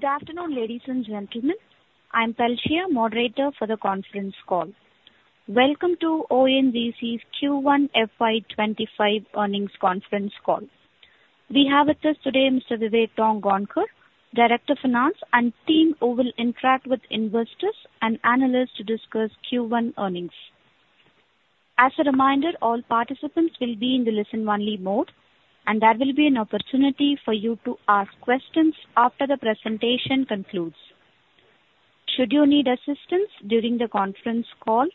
Good afternoon, ladies and gentlemen. I'm Thalassa, moderator for the conference call. Welcome to ONGC's Q1 FY25 earnings conference call. We have with us today Mr. Vivek Tongaonkar, Director of Finance, and team who will interact with investors and analysts to discuss Q1 earnings. As a reminder, all participants will be in the listen-only mode, and there will be an opportunity for you to ask questions after the presentation concludes. Should you need assistance during the conference call,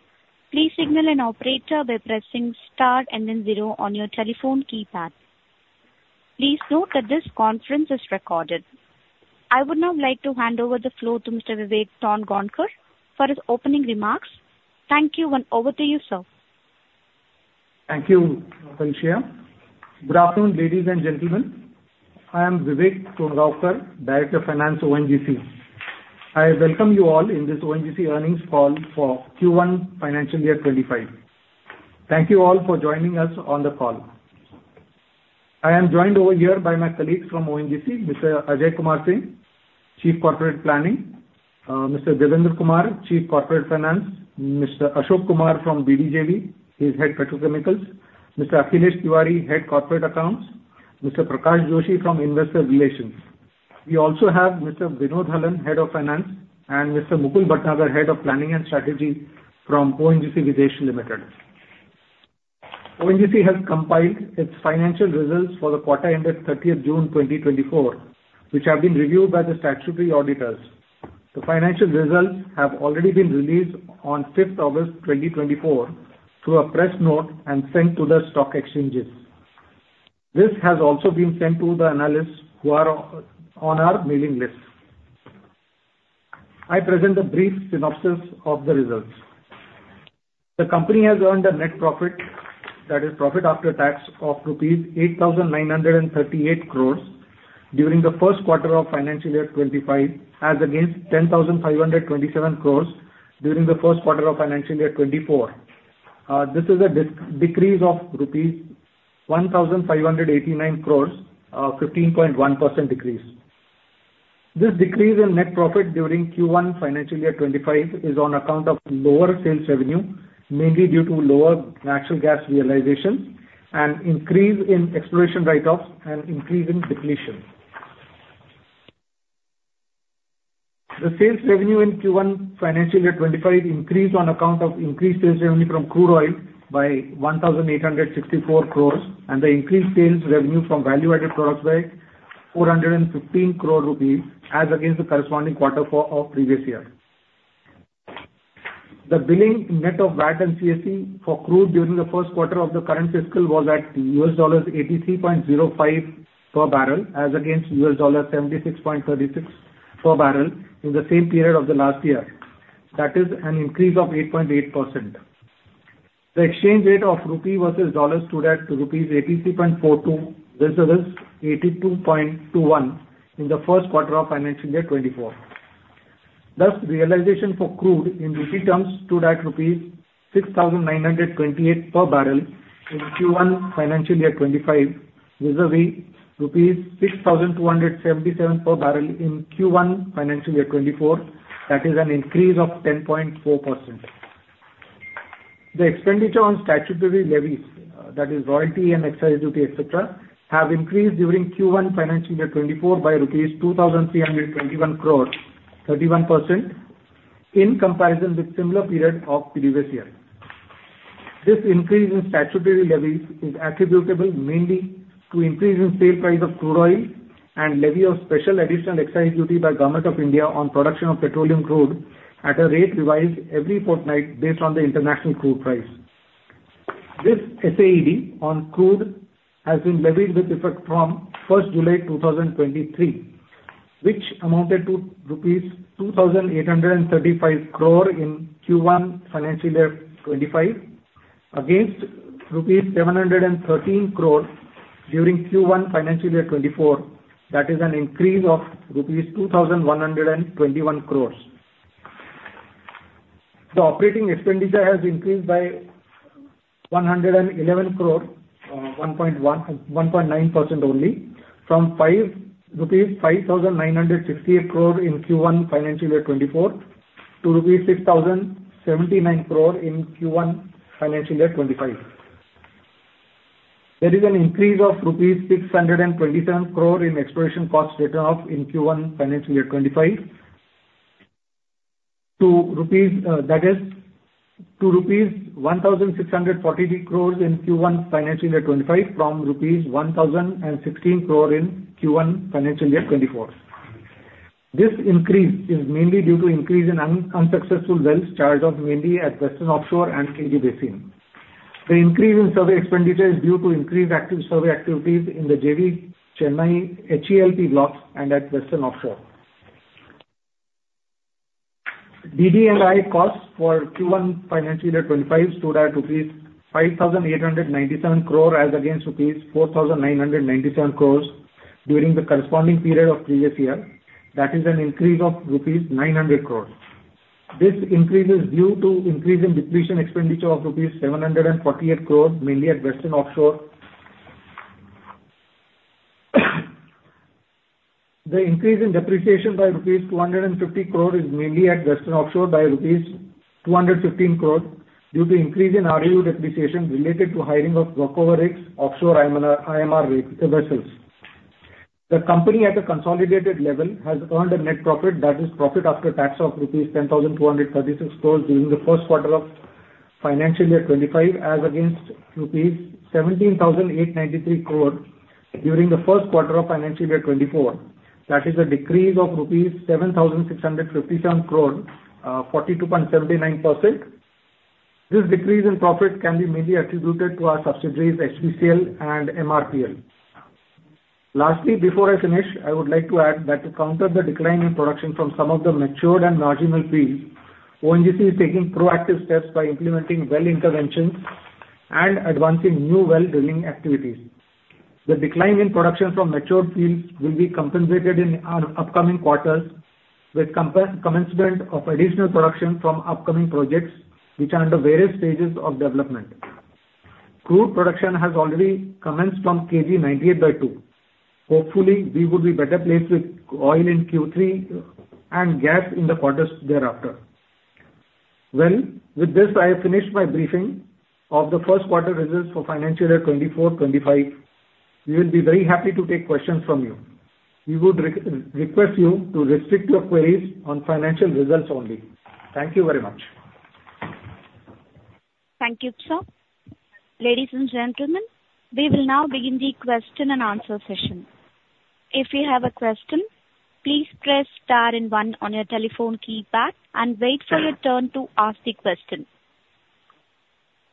please signal an operator by pressing star and then zero on your telephone keypad. Please note that this conference is recorded. I would now like to hand over the floor to Mr. Vivek Tongaonkar for his opening remarks. Thank you, and over to you, sir. Thank you, Thalassa. Good afternoon, ladies and gentlemen. I am Vivek Tongaonkar, Director of Finance, ONGC. I welcome you all in this ONGC earnings call for Q1 Financial Year 2025. Thank you all for joining us on the call. I am joined over here by my colleagues from ONGC, Mr. Ajay Kumar Singh, Chief Corporate Planning; Mr. Devendra Kumar, Chief Corporate Finance; Mr. Ashok Kumar from BDJV, he's Head Petrochemicals; Mr. Akhilesh Tiwari, Head Corporate Accounts; Mr. Prakash Joshi from investor relations. We also have Mr. Vinod Hallan, Head of Finance, and Mr. Mukul Bhatnagar, Head of Planning and Strategy from ONGC Videsh Limited. ONGC has compiled its financial results for the quarter ended 30th June 2024, which have been reviewed by the statutory auditors. The financial results have already been released on 5th August 2024 through a press note and sent to the stock exchanges. This has also been sent to the analysts who are on our mailing list. I present a brief synopsis of the results. The company has earned a net profit, that is, profit after tax, of rupees 8,938 crores during the first quarter of Financial Year 2025, as against 10,527 crores during the first quarter of Financial Year 2024. This is a decrease of rupees 1,589 crores, a 15.1% decrease. This decrease in net profit during Q1 Financial Year 2025 is on account of lower sales revenue, mainly due to lower natural gas realization and increase in exploration write-offs and increase in depletion. The sales revenue in Q1 Financial Year 2025 increased on account of increased sales revenue from crude oil by 1,864 crores, and the increased sales revenue from value-added products by 415 crore rupees, as against the corresponding quarter of previous year. The billing net of VAT and CST for crude during the first quarter of the current fiscal was at $83.05 per barrel, as against $76.36 per barrel in the same period of the last year. That is an increase of 8.8%. The exchange rate of rupee versus dollar stood at rupees 83.42 versus 82.21 in the first quarter of Financial Year 2024. Thus, realization for crude in rupee terms stood at rupees 6,928 per barrel in Q1 Financial Year 2025, vis-à-vis rupees 6,277 per barrel in Q1 Financial Year 2024. That is an increase of 10.4%. The expenditure on statutory levies, that is, royalty and excise duty, etc., have increased during Q1 Financial Year 2024 by rupees 2,321 crore, 31%, in comparison with similar period of previous year. This increase in statutory levies is attributable mainly to increase in sale price of crude oil and levy of special additional excise duty by Government of India on production of petroleum crude at a rate revised every fortnight based on the international crude price. This SAED on crude has been levied with effect from 1st July 2023, which amounted to rupees 2,835 crore in Q1 Financial Year 2025, against rupees 713 crore during Q1 Financial Year 2024. That is an increase of rupees 2,121 crores. The operating expenditure has increased by 111 crore, 1.9% only, from 5,968 crore rupees in Q1 Financial Year 2024 to rupees 6,079 crore in Q1 Financial Year 2025. There is an increase of rupees 627 crore in exploration cost written off in Q1 Financial Year 2025 to rupees 1,643 crore in Q1 Financial Year 2025 from rupees 1,016 crore in Q1 Financial Year 2024. This increase is mainly due to increase in unsuccessful wells charged off mainly at Western Offshore and KG Basin. The increase in survey expenditure is due to increased survey activities in the JV Chennai HELP blocks and at Western Offshore. DD&A cost for Q1 Financial Year 2025 stood at rupees 5,897 crore, as against rupees 4,997 crore during the corresponding period of previous year. That is an increase of INR9 00 crore. This increase is due to increase in depletion expenditure of rupees 748 crore, mainly at Western Offshore. The increase in depreciation by rupees 250 crore is mainly at Western Offshore by rupees 215 crore due to increase in RoU depreciation related to hiring of Rocover X offshore IMR vessels. The company at a consolidated level has earned a net profit, that is, profit after tax of rupees 10,236 crore during the first quarter of Financial Year 2025, as against rupees 17,893 crore during the first quarter of Financial Year 2024. That is a decrease of rupees 7,657 crore, 42.79%. This decrease in profit can be mainly attributed to our subsidiaries, HPCL and MRPL. Lastly, before I finish, I would like to add that to counter the decline in production from some of the matured and marginal fields, ONGC is taking proactive steps by implementing well interventions and advancing new well drilling activities. The decline in production from matured fields will be compensated in upcoming quarters with commencement of additional production from upcoming projects, which are under various stages of development. Crude production has already commenced from KG 98/2. Hopefully, we would be better placed with oil in Q3 and gas in the quarters thereafter. Well, with this, I have finished my briefing of the first quarter results for Financial Year 2024-25. We will be very happy to take questions from you. We would request you to restrict your queries on financial results only. Thank you very much. Thank you, sir. Ladies and gentlemen, we will now begin the question and answer session. If you have a question, please press star and one on your telephone keypad and wait for your turn to ask the question.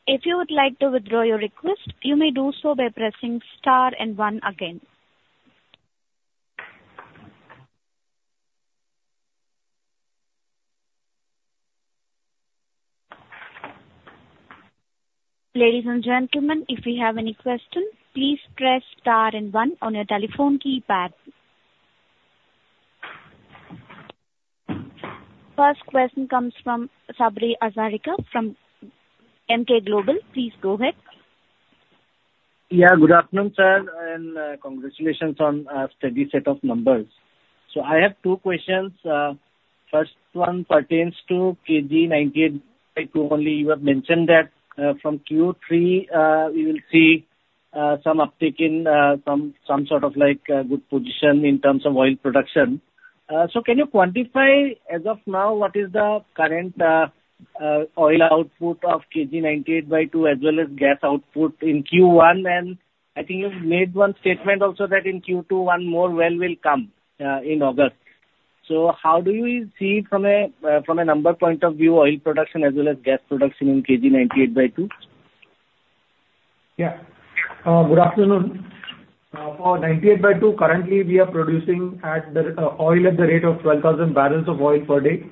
If you would like to withdraw your request, you may do so by pressing star and one again. Ladies and gentlemen, if you have any questions, please press star and one on your telephone keypad. First question comes from Sabri Hazarika from Emkay Global. Please go ahead. Yeah, good afternoon, sir, and congratulations on a steady set of numbers. So I have two questions. First one pertains to KG 98/2 only. You have mentioned that from Q3, we will see some uptake, some sort of good position in terms of oil production. So can you quantify, as of now, what is the current oil output of KG 98/2 as well as gas output in Q1? And I think you've made one statement also that in Q2, one more well will come in August. So how do you see from a number point of view, oil production as well as gas production in KG 98/2? Yeah, good afternoon. For 98/2, currently we are producing oil at the rate of 12,000 barrels of oil per day,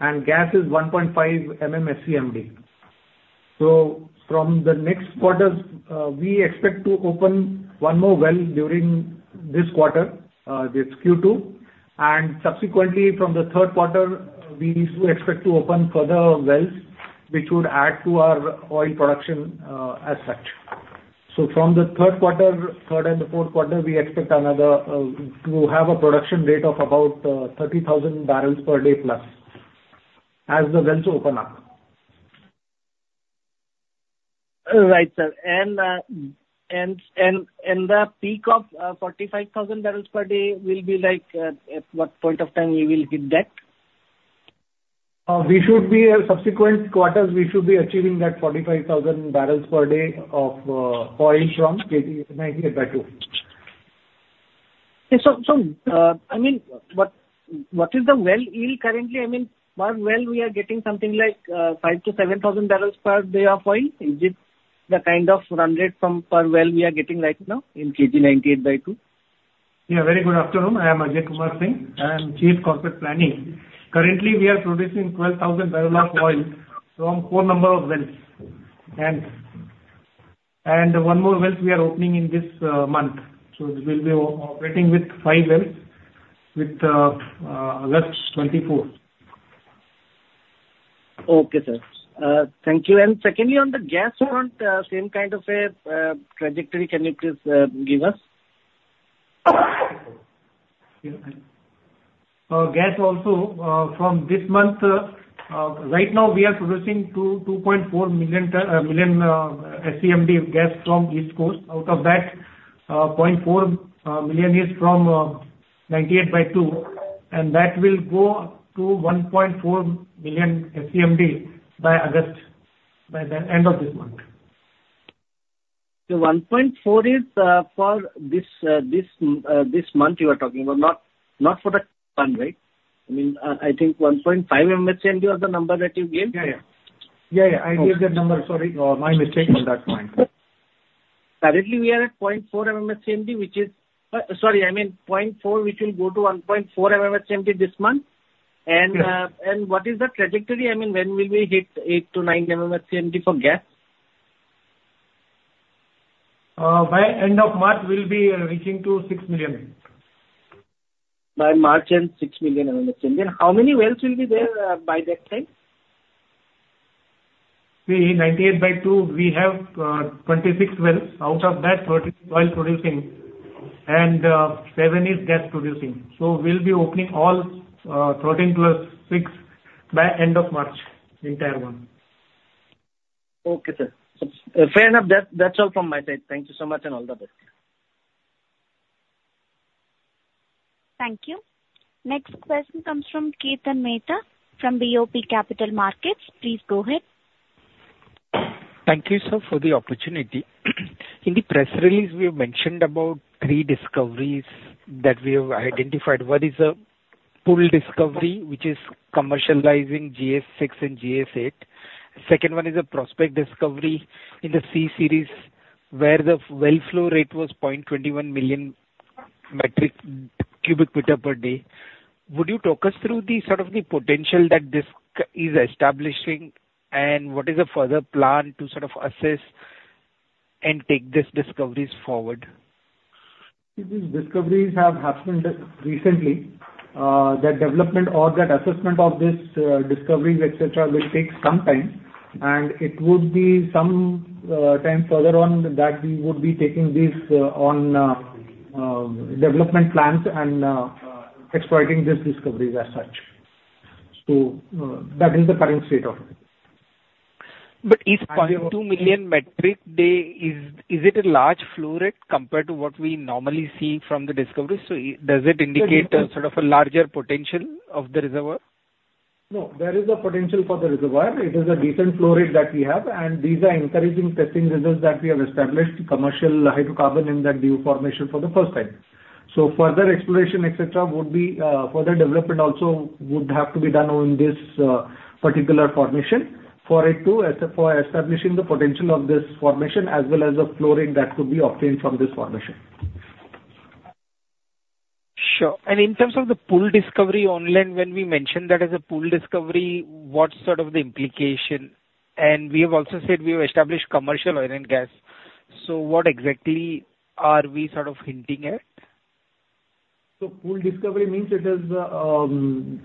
and gas is 1.5 SCMD. So from the next quarter, we expect to open one more well during this quarter, this Q2. And subsequently, from the third quarter, we expect to open further wells, which would add to our oil production as such. So from the third quarter, third and the fourth quarter, we expect to have a production rate of about 30,000 barrels per day plus as the wells open up. Right, sir. And the peak of 45,000 barrels per day will be like at what point of time we will hit that? In subsequent quarters, we should be achieving that 45,000 barrels per day of oil from KG-DWN-98/2. Yeah, so I mean, what is the well yield currently? I mean, per well, we are getting something like 5,000-7,000 barrels per day of oil. Is it the kind of run rate from per well we are getting right now in KG 98/2? Yeah, very good afternoon. I am Ajay Kumar Singh. I am Chief Corporate Planning. Currently, we are producing 12,000 barrels of oil from four number of wells. One more well we are opening in this month. We'll be operating with five wells with August 2024. Okay, sir. Thank you. Secondly, on the gas front, same kind of a trajectory. Can you please give us? Gas also from this month, right now we are producing 2.4 million SCMD gas from East Coast. Out of that, 0.4 million is from KG 98/2, and that will go to 1.4 million SCMD by August, by the end of this month. 1.4 is for this month you are talking about, not for the current rate. I mean, I think 1.5 MMSCMD was the number that you gave? Yeah, yeah. Yeah, yeah. I gave that number. Sorry, my mistake on that point. Currently, we are at 0.4 MMSCMD, which is sorry, I mean 0.4, which will go to 1.4 MMSCMD this month. What is the trajectory? I mean, when will we hit 8-9 MMSCMD for gas? By end of March, we'll be reaching to 6 million. By March and 6 million SCMD. And how many wells will be there by that time? See, in 98/2, we have 26 wells. Out of that, 13 is oil producing, and seven is gas producing. So we'll be opening all 13 plus six by end of March, entire month. Okay, sir. Fair enough. That's all from my side. Thank you so much and all the best. Thank you. Next question comes from Kirtan Mehta from BOB Capital Markets. Please go ahead. Thank you, sir, for the opportunity. In the press release, we have mentioned about three discoveries that we have identified. One is a pool discovery, which is commercializing GS-6 and GS-8. Second one is a prospect discovery in the C-Series where the well flow rate was 0.21 million metric cubic meter per day. Would you talk us through the sort of potential that this is establishing, and what is the further plan to sort of assess and take these discoveries forward? See, these discoveries have happened recently. That development or that assessment of these discoveries, etc., will take some time. And it would be some time further on that we would be taking these on development plans and exploiting these discoveries as such. So that is the current state of it. Is 0.2 million metric day a large flow rate compared to what we normally see from the discoveries? Does it indicate sort of a larger potential of the reservoir? No, there is a potential for the reservoir. It is a decent flow rate that we have. These are encouraging testing results that we have established commercial hydrocarbon in that new formation for the first time. Further exploration, etc., would be further development also would have to be done in this particular formation for establishing the potential of this formation as well as the flow rate that could be obtained from this formation. Sure. In terms of the pool discovery online, when we mentioned that as a pool discovery, what's sort of the implication? We have also said we have established commercial oil and gas. What exactly are we sort of hinting at? Pool discovery means it is a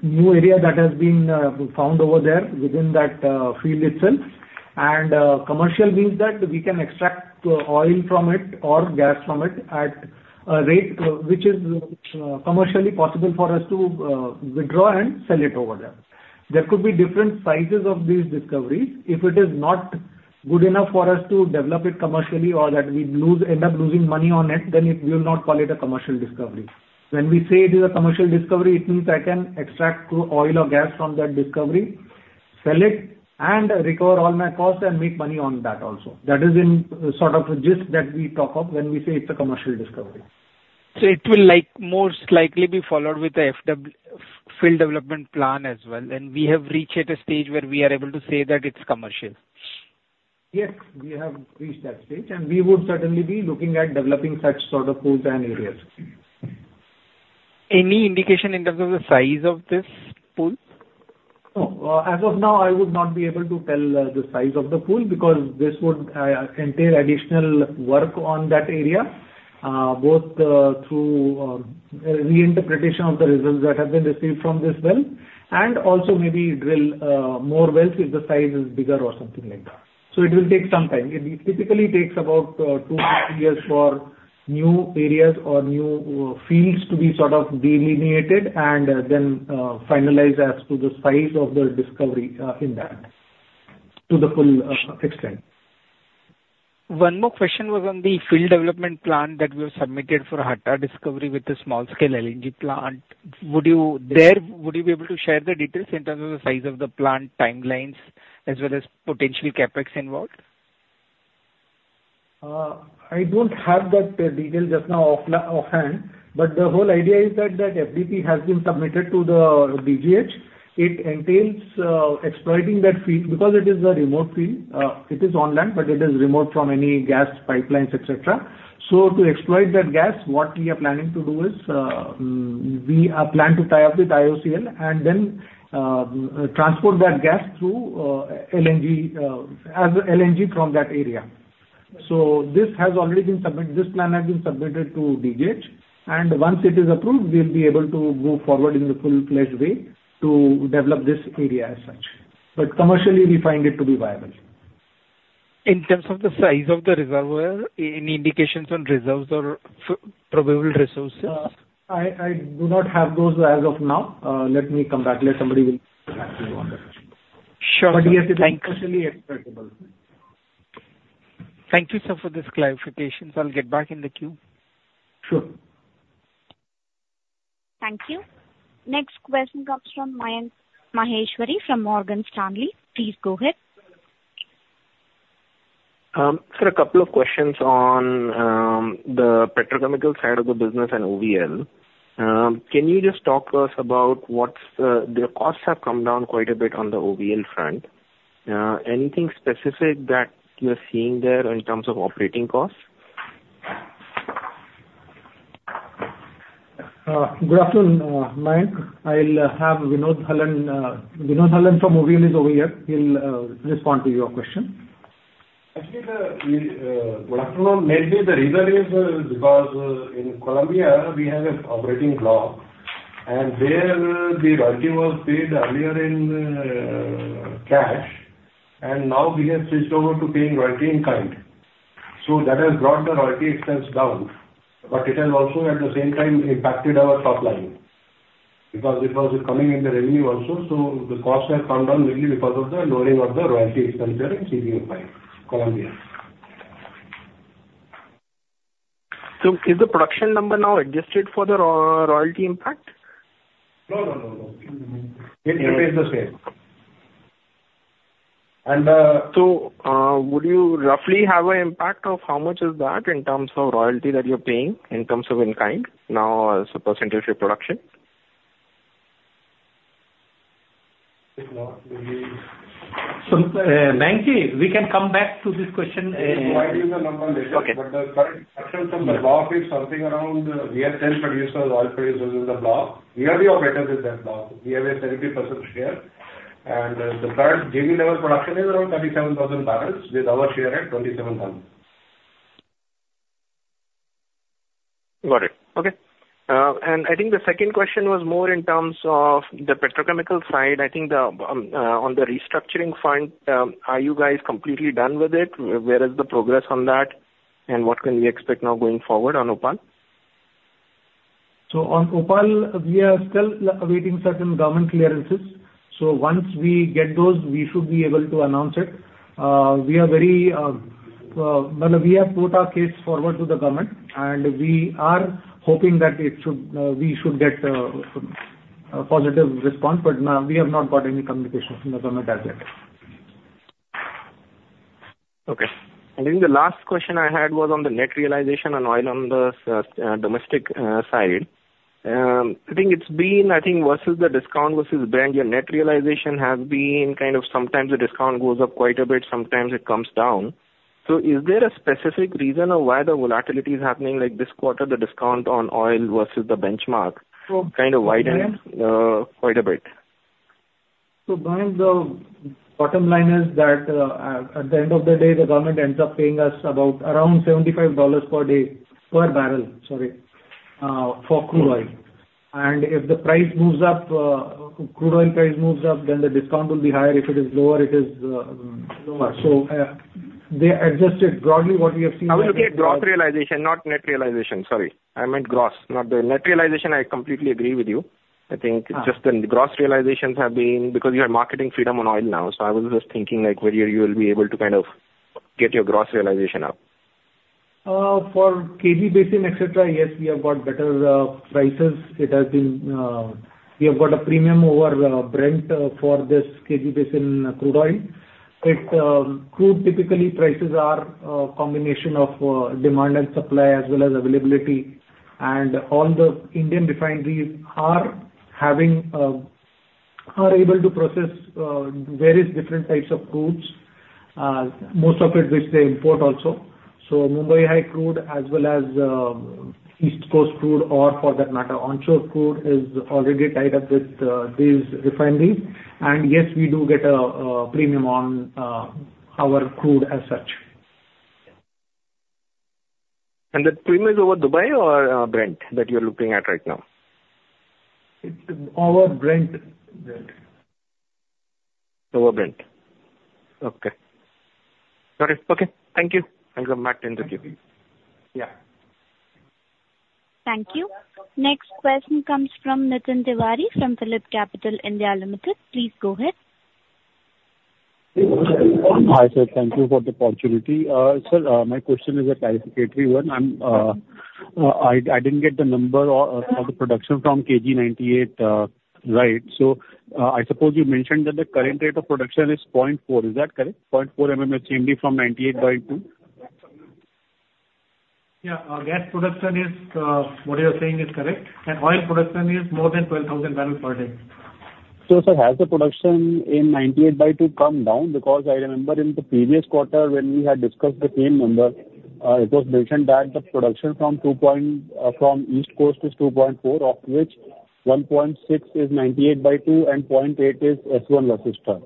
new area that has been found over there within that field itself. Commercial means that we can extract oil from it or gas from it at a rate which is commercially possible for us to withdraw and sell it over there. There could be different sizes of these discoveries. If it is not good enough for us to develop it commercially or that we end up losing money on it, then we will not call it a commercial discovery. When we say it is a commercial discovery, it means I can extract oil or gas from that discovery, sell it, and recover all my costs and make money on that also. That is in sort of gist that we talk of when we say it's a commercial discovery. It will most likely be followed with a field development plan as well. We have reached a stage where we are able to say that it's commercial. Yes, we have reached that stage. And we would certainly be looking at developing such sort of pools and areas. Any indication in terms of the size of this pool? No. As of now, I would not be able to tell the size of the pool because this would entail additional work on that area, both through reinterpretation of the results that have been received from this well and also maybe drill more wells if the size is bigger or something like that. So it will take some time. It typically takes about 2-3 years for new areas or new fields to be sort of delineated and then finalized as to the size of the discovery in that to the full extent. One more question was on the field development plan that we have submitted for Hatta discovery with the small-scale LNG plant. Would you be able to share the details in terms of the size of the plant timelines as well as potential CapEx involved? I don't have that detail just now offhand. But the whole idea is that that FDP has been submitted to the DGH. It entails exploiting that field because it is a remote field. It is on land, but it is remote from any gas pipelines, etc. So to exploit that gas, what we are planning to do is we plan to tie up with IOCL and then transport that gas through LNG as LNG from that area. So this has already been submitted. This plan has been submitted to DGH. And once it is approved, we'll be able to move forward in the full-fledged way to develop this area as such. But commercially, we find it to be viable. In terms of the size of the reservoir, any indications on reserves or probable resources? I do not have those as of now. Let me come back. Let somebody will answer you on that. Sure. Thank you. But yes, it is commercially acceptable. Thank you, sir, for this clarification. So I'll get back in the queue. Sure. Thank you. Next question comes from Mayank Maheshwari from Morgan Stanley. Please go ahead. Sir, a couple of questions on the petrochemical side of the business and OVL. Can you just talk to us about what's the costs have come down quite a bit on the OVL front? Anything specific that you're seeing there in terms of operating costs? Good afternoon, Mike. I'll have Vinod Hallan from OVL is over here. He'll respond to your question. Actually, good afternoon. Mainly, the reason is because in Colombia, we have an operating block. And there, the royalty was paid earlier in cash. And now we have switched over to paying royalty in kind. So that has brought the royalty expense down. But it has also, at the same time, impacted our top line because it was coming in the revenue also. So the costs have come down mainly because of the lowering of the royalty expense there in Colombia. So is the production number now adjusted for the royalty impact? No, no, no, no. It remains the same. And would you roughly have an impact of how much is that in terms of royalty that you're paying in terms of in kind now as a percentage of production? If not, maybe. Thank you, we can come back to this question. If you provide me the number later, but the percent of the block is something around, we are 10 producers, oil producers in the block. We are the operators in that block. We have a 30% [share]. The third JV level production is around 37,000 barrels with our share at 27,000. Got it. Okay. I think the second question was more in terms of the petrochemical side. I think on the restructuring fund, are you guys completely done with it? Where is the progress on that? What can we expect now going forward on OPaL? So on OPaL, we are still awaiting certain government clearances. Once we get those, we should be able to announce it. We are very well, we have put our case forward to the government. We are hoping that we should get a positive response. But we have not got any communication from the government as yet. Okay. I think the last question I had was on the net realization on oil on the domestic side. I think it's been, I think, versus the discount versus Brent. Your net realization has been kind of sometimes the discount goes up quite a bit. Sometimes it comes down. So is there a specific reason of why the volatility is happening? Like this quarter, the discount on oil versus the benchmark kind of widened quite a bit. So the bottom line is that at the end of the day, the government ends up paying us around $75 per day per barrel, sorry, for crude oil. If the price moves up, crude oil price moves up, then the discount will be higher. If it is lower, it is lower. So they adjusted broadly what we have seen. I was looking at gross realization, not net realization. Sorry. I meant gross. Not the net realization. I completely agree with you. I think just the gross realizations have been because you have marketing freedom on oil now. So I was just thinking where you will be able to kind of get your gross realization up. For KG Basin, etc., yes, we have got better prices. It has been we have got a premium over Brent for this KG Basin crude oil. Crude typically prices are a combination of demand and supply as well as availability. All the Indian refineries are able to process various different types of crudes, most of it which they import also. Mumbai High crude as well as East Coast crude or for that matter, onshore crude is already tied up with these refineries. Yes, we do get a premium on our crude as such. The premium is over Dubai or Brent that you're looking at right now? It's over Brent. Over Brent. Okay. Got it. Okay. Thank you. I'll come back to interview. Yeah. Thank you. Next question comes from Nitin Tiwari from Phillip Capital India Limited. Please go ahead. Hi, sir. Thank you for the opportunity. Sir, my question is a clarificatory one. I didn't get the number for the production from KG 98/2 right. So I suppose you mentioned that the current rate of production is 0.4. Is that correct? 0.4 MMSCMD from 98/2? Yeah. Gas production is what you are saying is correct. Oil production is more than 12,000 barrels per day. So sir, has the production in 98/2 come down? Because I remember in the previous quarter when we had discussed the same number, it was mentioned that the production from East Coast is 2.4, of which 1.6 is 98/2 and 0.8 is S-1 Vashishta.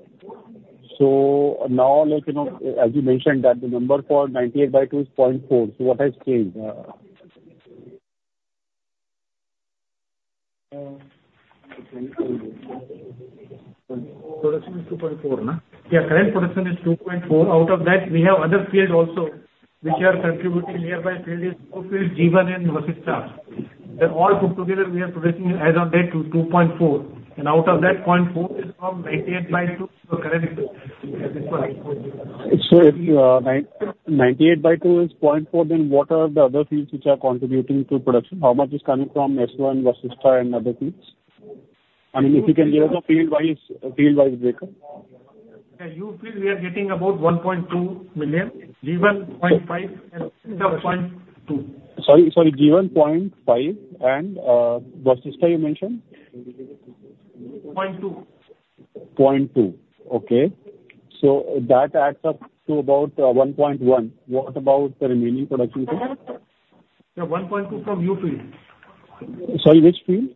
So now, as you mentioned, that the number for 98/2 is 0.4. So what has changed? Production is 2.4, no? Yeah, current production is 2.4. Out of that, we have other fields also which are contributing. Nearby field is G-1 and Vashishta. Then all put together, we are producing as of date 2.4. And out of that, 0.4 is from 98/2 current. So if KG 98/2 is 0.4, then what are the other fields which are contributing to production? How much is coming from S-1 versus Vashishta and other fields? I mean, if you can give us a field-wise breakup. Yeah. You feel we are getting about 1.2 million, G1.5, and S-1 0.2. Sorry. Sorry. G1.5 and Vashishta you mentioned? 0.2. Okay. So that adds up to about 1.1. What about the remaining production field? Yeah. 1.2 from U Field. Sorry, which field?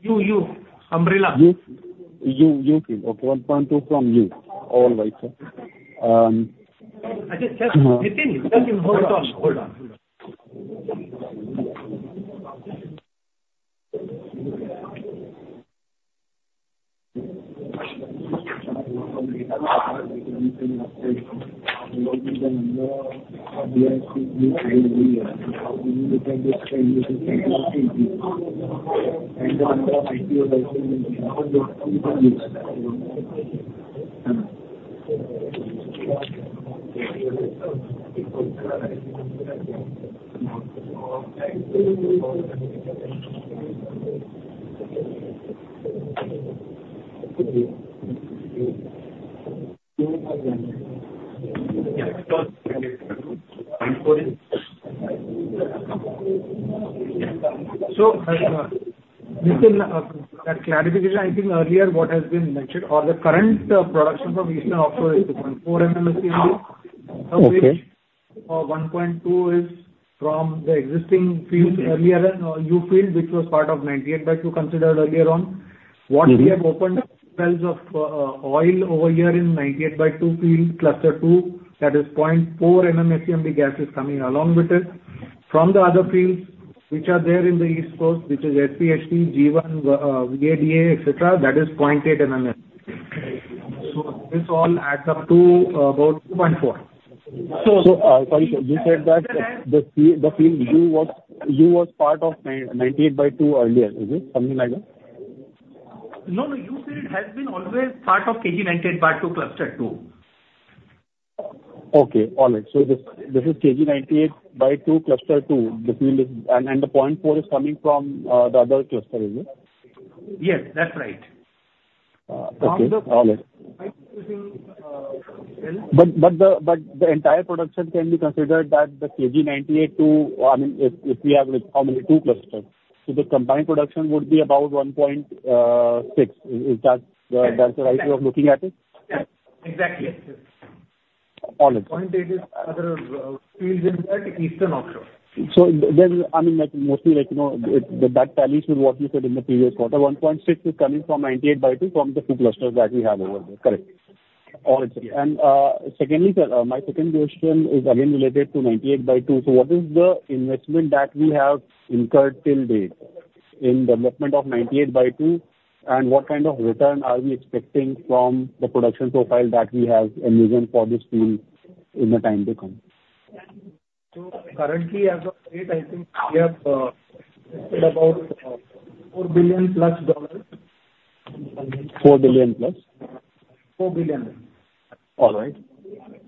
U, U. Umbrella. U Field. Okay. 1.2 from U. All right, sir. Actually, just Nitin, just hold on. Hold on. So Nitin, that clarification, I think earlier what has been mentioned or the current production from Eastern Offshore is 2.4 HCMD of which 1.2 is from the existing fields earlier and U field which was part of 98/2 considered earlier on. What we have opened up wells of oil over here in 98/2 field Cluster 2, that is 0.4 HCMD gas is coming along with it from the other fields which are there in the East Coast, which is S-1, G-1, [Vashishta, etc.], that is 0.8. So this all adds up to about 2.4. So sorry, sir, you said that the field you was part of 98/2 earlier. Is it something like that? No, no. U Field has been always part of KG 98/2 Cluster 2. Okay. All right. So this is KG 98/2 cluster 2, and the 0.4 is coming from the other cluster, is it? Yes, that's right. Okay. All right. But the entire production can be considered that the KG 98/2, I mean, if we have two clusters, so the combined production would be about 1.6. Is that the right way of looking at it? Exactly. Yes. All right. 0.8 is other fields in Eastern Offshore. So I mean, mostly that tallies with what you said in the previous quarter. 1.6 is coming from 98/2 from the two clusters that we have over there. Correct. All right. And secondly, sir, my second question is again related to 98/2. So what is the investment that we have incurred till date in development of 98/2, and what kind of return are we expecting from the production profile that we have envisioned for this field in the time to come? Currently, as of date, I think we have spent about $4 billion+. $4 billion+? $4 billion. All right.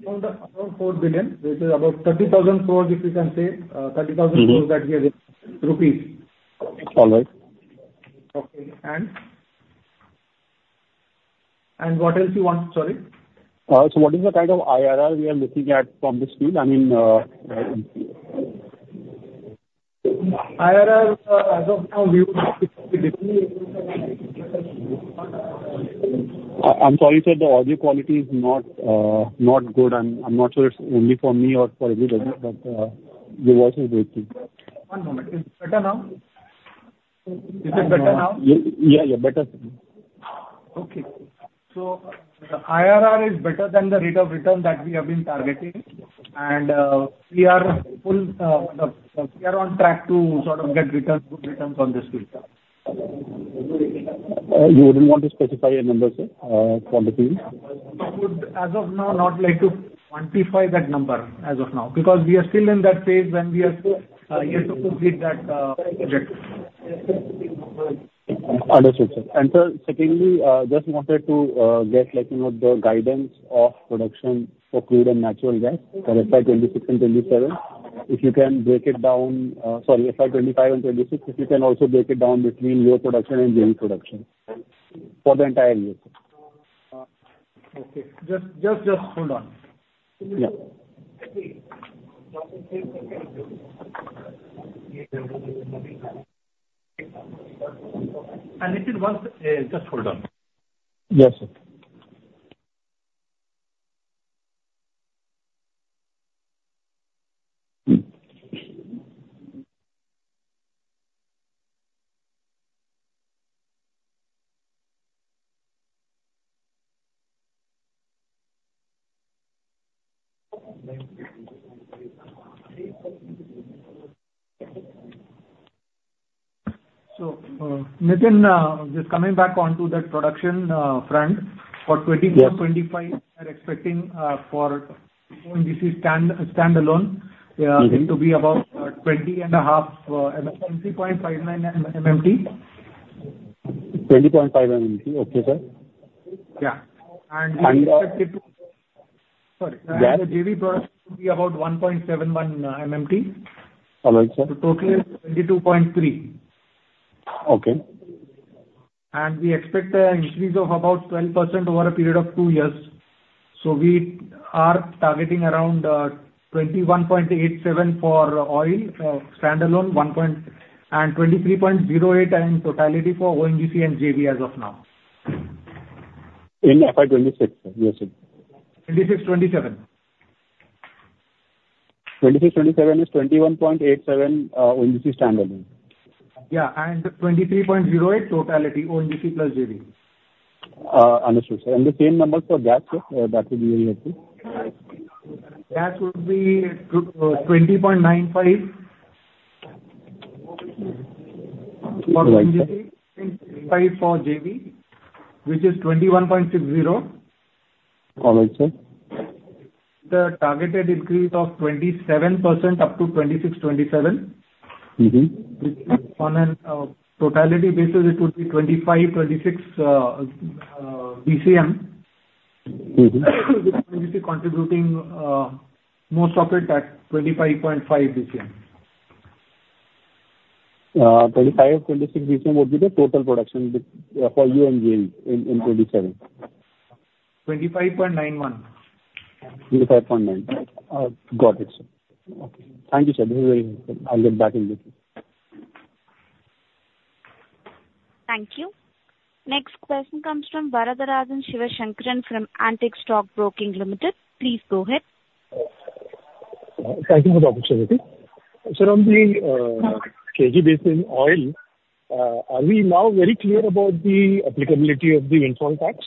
Around $4 billion, which is about 30,000 crore if you can say, 30,000 crore that we have in rupees. All right. Okay. What else you want? Sorry. So what is the kind of IRR we are looking at from this field? I mean. IRR as of now, we would be definitely. I'm sorry, sir, the audio quality is not good. I'm not sure it's only for me or for everybody, but your voice is breaking. One moment. Is it better now? Is it better now? Yeah, yeah. Better. Okay. So the IRR is better than the rate of return that we have been targeting. And we are fully on track to sort of get good returns on this field. You wouldn't want to specify a number, sir, for the field? I would, as of now, not like to quantify that number as of now because we are still in that phase when we are yet to complete that project. Understood, sir. And sir, secondly, just wanted to get the guidance of production for crude and natural gas for FY 26 and 27. If you can break it down sorry, FY 25 and 26, if you can also break it down between your production and JV production for the entire year. Okay. Just hold on. Yeah. And Nitin, once just hold on. Yes, sir. So, Nitin, just coming back onto that production front, for 2024, 2025, we are expecting for this is standalone. It will be about 20.5 MMT, 2.59 MMT. 20.5 MMT. Okay, sir. Yeah. And we expect it to, sorry. The JV product will be about 1.71 MMT. All right, sir. The total is 22.3. Okay. We expect an increase of about 12% over a period of two years. We are targeting around 21.87 for oil standalone, and 23.08 in totality for ONGC and JV as of now. In FY 26? Yes, sir. 26, 27. 2026, 2027 is 21.87 ONGC standalone. Yeah. And 23.08 totality ONGC plus JV. Understood, sir. The same numbers for gas, sir, that would be very helpful. Gas would be $20.95 for ONGC, $25 for JV, which is $21.60. All right, sir. The targeted increase of 27% up to 26-27. On a totality basis, it would be 25-26 BCM, which is contributing most of it at 25.5 BCM. 25-26 BCM would be the total production for you and JV in 2027? 25.91. Got it, sir. Okay. Thank you, sir. This is very helpful. I'll get back in a bit. Thank you. Next question comes from Varatharajan Sivasankaran from Antique Stock Broking Limited. Please go ahead. Thank you for the opportunity. Sir, on the KG Basin oil, are we now very clear about the applicability of the windfall tax?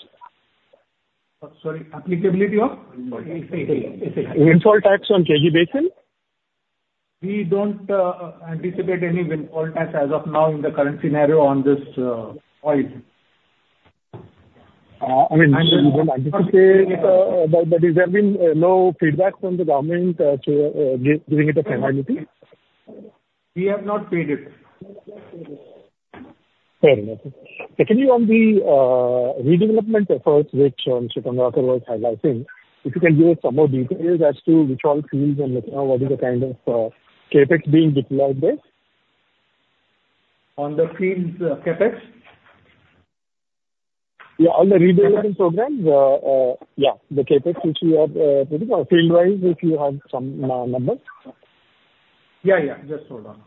Sorry. Applicability of? Windfall tax on KG Basin? We don't anticipate any windfall tax as of now in the current scenario on this oil. I mean, you don't anticipate it, but is there been no feedback from the government to giving it a penalty? We have not paid it. Fair enough. Secondly, on the redevelopment efforts which Tongaonkar was highlighting, if you can give us some more details as to which all fields and what is the kind of CapEx being utilized there? On the fields CapEx? Yeah. On the redevelopment program, yeah, the CapEx which you have put in or field-wise if you have some numbers? Yeah, yeah. Just hold on.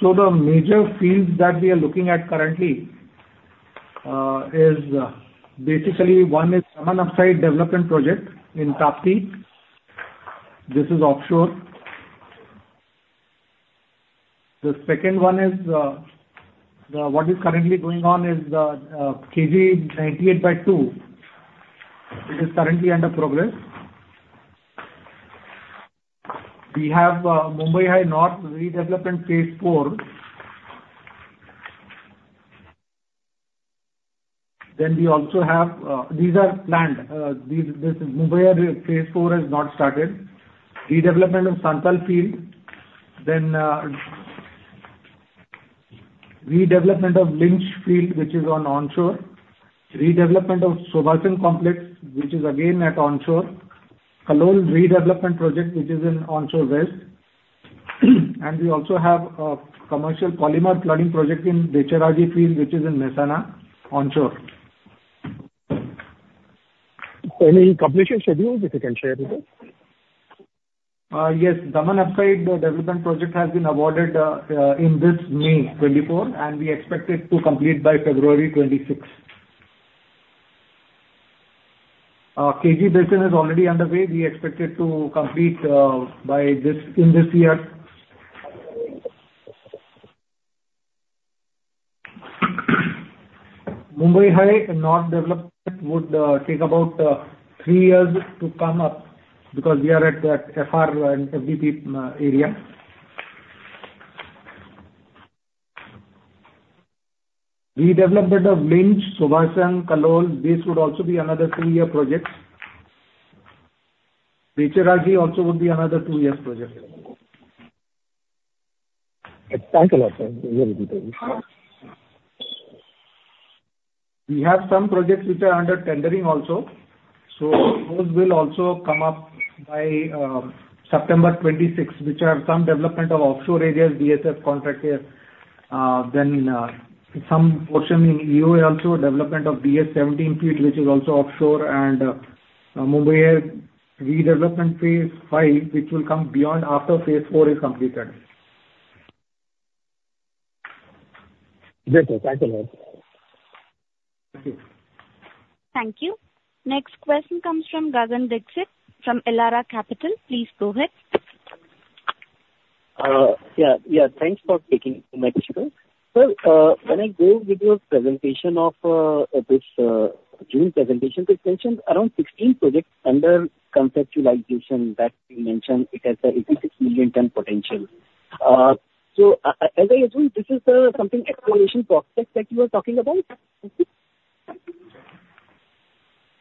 So the major fields that we are looking at currently is basically one is Daman Upside Development Project in Tapti. This is offshore. The second one is what is currently going on is the KG-DWN-98/2, which is currently under progress. We have Mumbai High North redevelopment phase four. Then we also have these are planned. This Mumbai High phase four has not started. Redevelopment of Santhal Field. Then redevelopment of Linch Field, which is on onshore. Redevelopment of Sobhasan Complex, which is again at onshore. Kalol redevelopment project, which is in onshore west. And we also have a commercial Polymer Flooding project in Becharaji Field, which is in Mehsana, onshore. Any completion schedule, if you can share with us? Yes. Daman Upside Development Project has been awarded in May 2024, and we expect it to complete by February 2026. KG Basin is already underway. We expect it to complete in this year. Mumbai High North development would take about three years to come up because we are at that FR and FDP area. Redevelopment of Linch, Sobhasan, Kalol, these would also be another two-year projects. Becharaji also would be another two-year project. Thank you, sir. Very good. We have some projects which are under tendering also. So those will also come up by September 26, which are some development of offshore areas, DSF contract here. Then some portion in EOA also, development of DS-17 field, which is also offshore. And Mumbai High redevelopment phase five, which will come beyond after phase four is completed. Great, sir. Thank you, sir. Thank you. Thank you. Next question comes from Gagan Dixit from Elara Capital. Please go ahead. Yeah. Yeah. Thanks for taking my question, sir. Sir, when I go with your presentation of this June presentation, it mentioned around 16 projects under conceptualization that you mentioned it has an 86 million ton potential. So as I assume, this is something exploration prospect that you were talking about?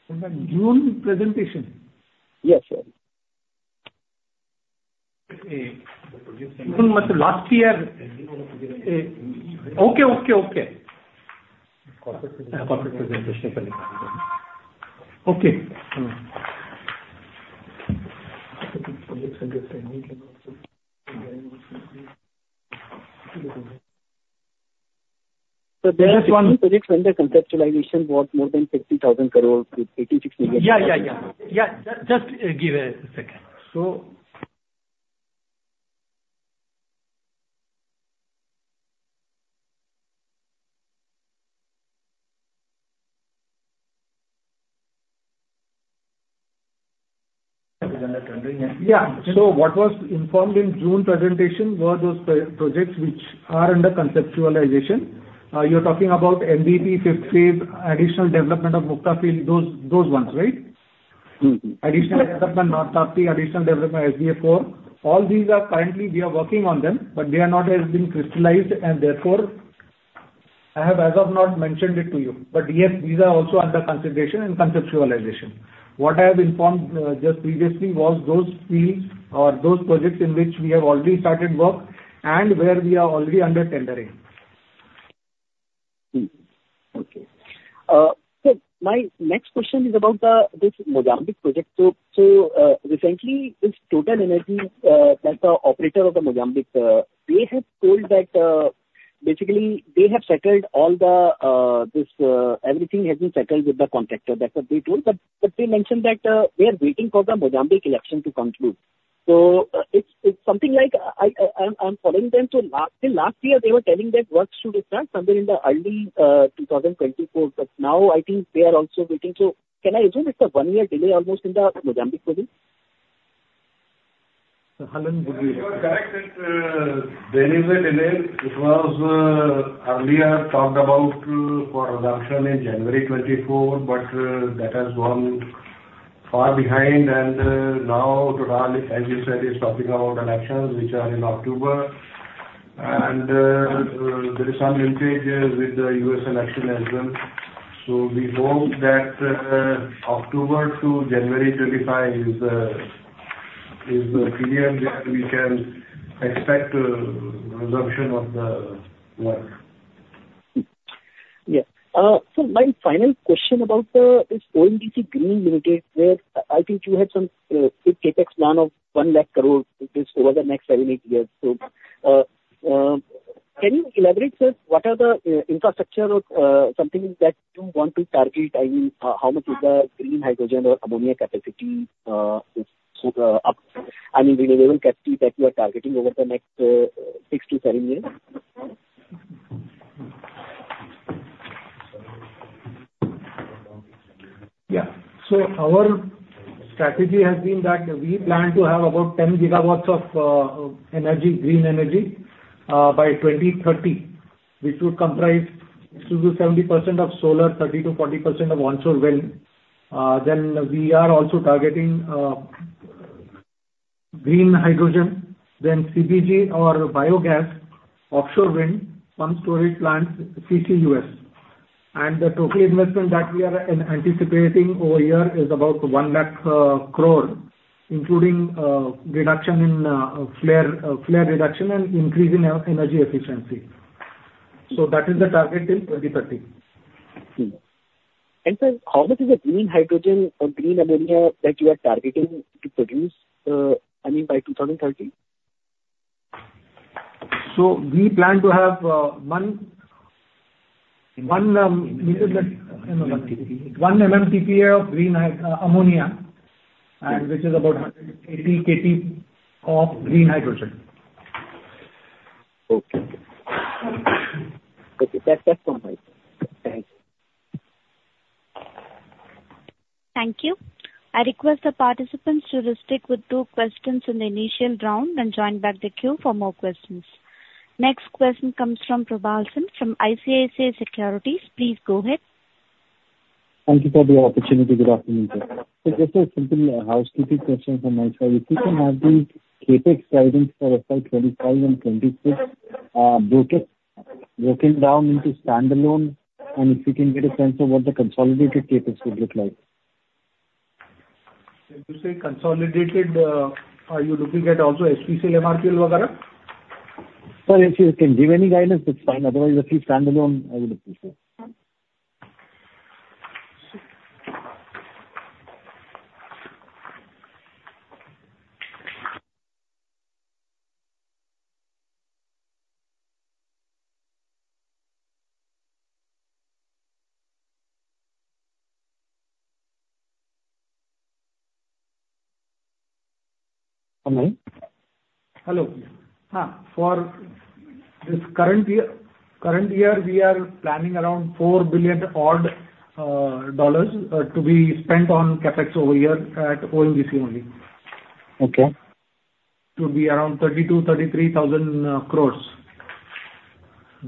In the June presentation? Yes, sir. Last year. Okay, okay, okay. Okay. There is one project under conceptualization worth more than INR 15,000 crore with 86 million tonnes. Yeah, yeah, yeah. Yeah. Just give a second. So. Yeah. So what was informed in the June presentation were those projects which are under conceptualization. You're talking about MVP phase additional development of Mukta Field, those ones, right? Additional development North Tapti, additional development SBA-4. All these are currently we are working on them, but they are not as being crystallized. And therefore, I have as of now mentioned it to you. But yes, these are also under consideration and conceptualization. What I have informed just previously was those fields or those projects in which we have already started work and where we are already under tendering. Okay. So my next question is about this Mozambique project. So recently, this TotalEnergies that's the operator of the Mozambique, they have told that basically they have settled all the this everything has been settled with the contractor. That's what they told. But they mentioned that they are waiting for the Mozambique election to conclude. So it's something like I'm following them. So last year, they were telling that works should start somewhere in the early 2024. But now, I think they are also waiting. So can I assume it's a one-year delay almost in the Mozambique project? So how long would you? Correct, sir. There is a delay. It was earlier talked about for an election in January 2024, but that has gone far behind. And now, as you said, it's talking about elections, which are in October. And there is some linkage with the U.S. election as well. So we hope that October to January 2025 is the period where we can expect resumption of the work. Yes. My final question about this ONGC Green Limited, where I think you had some CapEx plan of 100,000 crore over the next 7-8 years. Can you elaborate, sir? What are the infrastructure or something that you want to target? I mean, how much is the green hydrogen or ammonia capacity up? I mean, renewable capacity that you are targeting over the next 6-7 years? Yeah. So our strategy has been that we plan to have about 10 gigawatts of green energy by 2030, which would comprise 60%-70% of solar, 30%-40% of onshore wind. Then we are also targeting green hydrogen, then CBG or biogas, offshore wind, some storage plants, CCUS. And the total investment that we are anticipating over here is about 100,000 crore, including reduction in flare reduction and increase in energy efficiency. So that is the target till 2030. Sir, how much is the green hydrogen or green ammonia that you are targeting to produce, I mean, by 2030? We plan to have 1 MMTPA of green ammonia, which is about 80 KT of green hydrogen. Okay. Okay. That's fine. Thank you. Thank you. I request the participants to restrict with two questions in the initial round and join back the queue for more questions. Next question comes from Probal Sen from ICICI Securities. Please go ahead. Thank you for the opportunity. Good afternoon, sir. Just a simple housekeeping question from my side. If you can have the CapEx guidance for FY 25 and 26 broken down into standalone, and if you can get a sense of what the consolidated CapEx would look like. Consolidated, are you looking at also HPCL, MRPL, waghera? Sir, if you can give any guidance, that's fine. Otherwise, if you stand alone, I would appreciate it. Hello. Hello. For this current year, we are planning around $4 billion odd to be spent on CapEx over here at ONGC only. Okay. It would be around 32,000 crore-33,000 crore.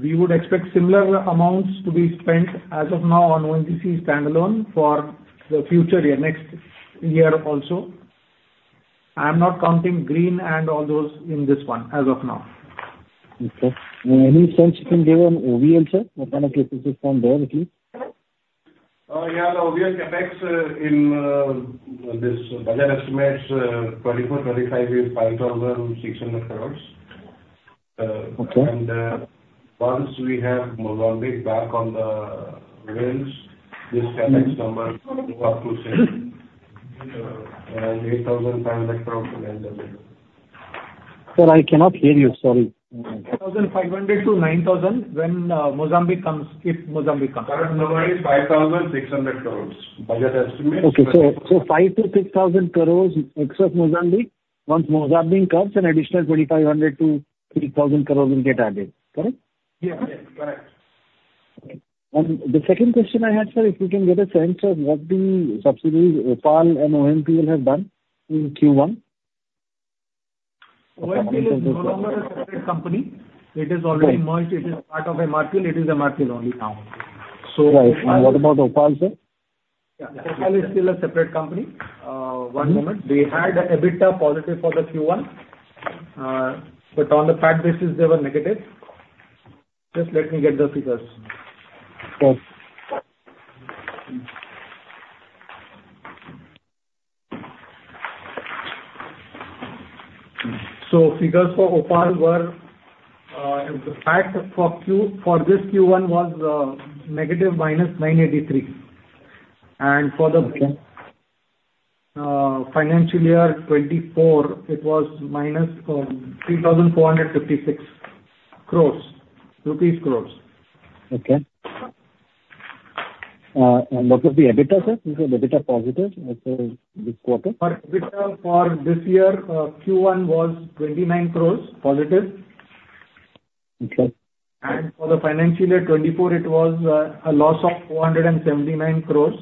We would expect similar amounts to be spent as of now on ONGC standalone for the future year, next year also. I'm not counting green and all those in this one as of now. Okay. Any sense you can give on OVL, sir? What kind of CapEx is from there, at least? Yeah. The OVL CapEx in this budget estimates 2024, 2025, INR 5,600 crore. And once we have Mozambique back on the wheels, this CapEx number is up to 600 crore and INR 8,500 crore will end up. Sir, I cannot hear you. Sorry. 8,500 to 9,000 when Mozambique comes, if Mozambique comes. No worries. 5,600 crore. Budget estimates. Okay. So 5,000-6,000 crore except Mozambique. Once Mozambique comes, an additional 2,500-3,000 crore will get added. Correct? Yes. Correct. The second question I had, sir, if you can get a sense of what the subsidies, OPAL and OMPL have done in Q1? OMPL is no longer a separate company. It is already merged. It is part of MRPL. It is MRPL only now. Right. And what about OPaL, sir? Yeah. OPaL is still a separate company. One moment. They had a bit of positive for the Q1, but on the PAT basis, they were negative. Just let me get the figures. Okay. Figures for OPaL were the PAT for this Q1 was negative minus 983 crore. For the financial year 2024, it was minus 3,456 crores rupees. Okay. And what was the EBITDA, sir? Is it EBITDA positive this quarter? For EBITDA for this year, Q1 was 29 crores positive. For the financial year 2024, it was a loss of 479 crores.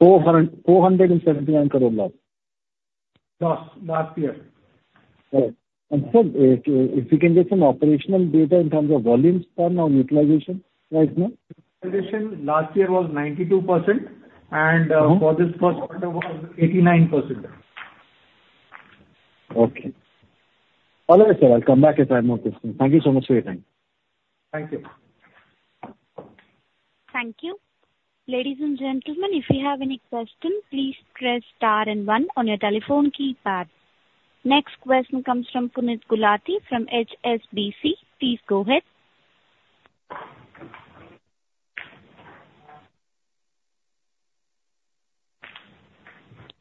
479 crore loss? Last year. Right. Sir, if you can get some operational data in terms of volumes per now utilization right now? Utilization last year was 92%, and for this first quarter was 89%. Okay. All right, sir. I'll come back if I have more questions. Thank you so much for your time. Thank you. Thank you. Ladies and gentlemen, if you have any questions, please press star and one on your telephone keypad. Next question comes from Puneet Gulati from HSBC. Please go ahead.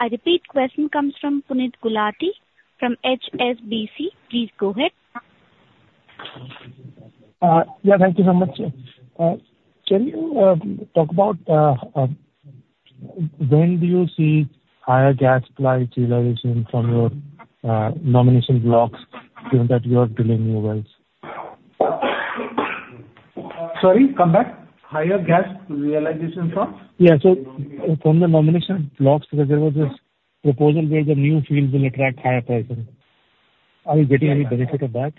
I repeat, question comes from Puneet Gulati from HSBC. Please go ahead. Yeah. Thank you so much. Can you talk about when do you see higher gas supply utilization from your nomination blocks given that you are drilling new wells? Sorry? Come back. Higher gas realization from? Yeah. So from the nomination blocks, there was this proposal where the new fields will attract higher pricing. Are you getting any benefit of that?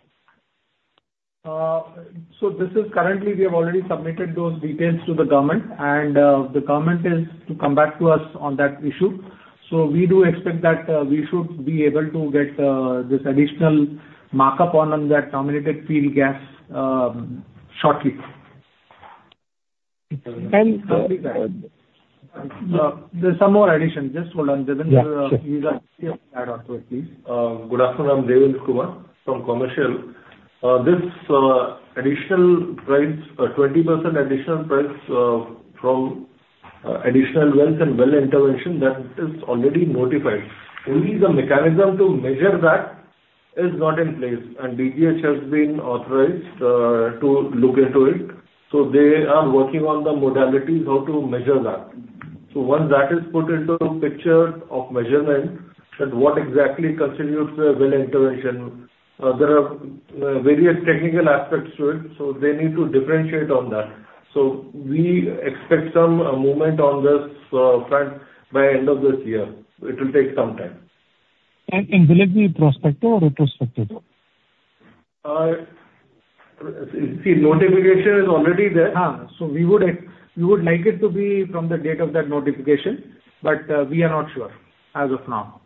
So this is currently we have already submitted those details to the government, and the government is to come back to us on that issue. So we do expect that we should be able to get this additional markup on that nominated field gas shortly. And. Sorry. There's some more addition. Just hold on. Devendra, you can add on to it, please. Good afternoon. I'm Devendra Kumar from Commercial. This additional price, 20% additional price from additional wells and well intervention, that is already notified. Only the mechanism to measure that is not in place. DGH has been authorized to look into it. So they are working on the modalities how to measure that. So once that is put into the picture of measurement, that what exactly constitutes a well intervention, there are various technical aspects to it. So they need to differentiate on that. So we expect some movement on this front by end of this year. It will take some time. Will it be prospective or retrospective? See, notification is already there. Ha. So we would like it to be from the date of that notification, but we are not sure as of now.